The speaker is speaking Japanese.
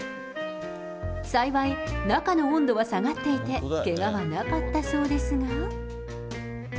幸い、中の温度は下がっていて、けがはなかったそうですが。